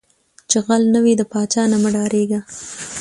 ـ چې غل نه وې د پاچاه نه مه ډارېږه.